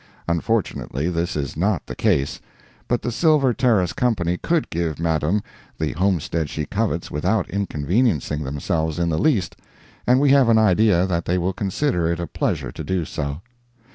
Unfortunately, this is not the case; but the Silver Terrace Company could give Madame the homestead she covets without inconveniencing themselves in the least, and we have an idea that they will consider it a pleasure to do so.